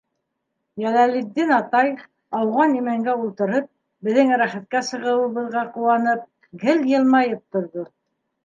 Йәләлетдин атай, ауған имәнгә ултырып, беҙҙең рәхәткә сығыуыбыҙға ҡыуанып, гел йылмайып торҙо.